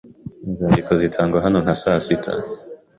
Inzandiko zitangwa hano nka saa sita.